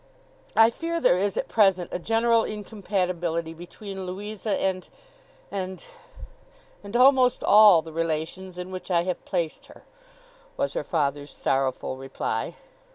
'I fear there is at present a general incompatibility between Louisa, and—and—and almost all the relations in which I have placed her,' was her father's sorrowful reply.